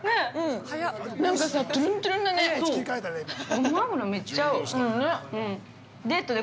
ゴマ油、めっちゃ合う。